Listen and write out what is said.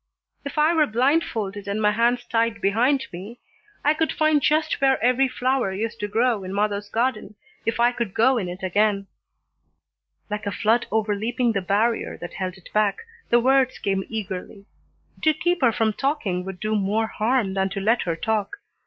If I were blind folded and my hands tied behind me I could find just where every flower used to grow in mother's garden, if I could go in it again." Like a flood overleaping the barrier that held it back, the words came eagerly. To keep her from talking would do more harm than to let her talk.